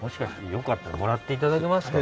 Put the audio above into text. よかったらもらっていただけますか？